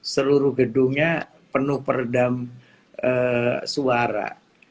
seluruh gedungnya penuh peredam suara